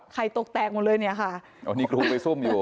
ไข่ตกแตกหมดเลยนี่ค่ะ